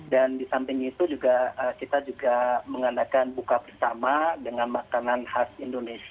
dan di samping itu juga kita juga mengadakan buka bersama dengan makanan khas indonesia